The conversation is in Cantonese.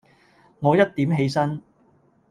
我一點起身